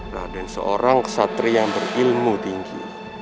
raden seorang kesatria yang berilmu tinggi